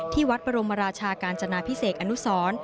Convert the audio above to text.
วัดบรมราชากาญจนาพิเศษอนุสร